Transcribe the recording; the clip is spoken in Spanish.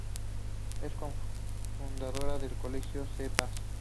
Es cofundadora del Colectivo C Paz.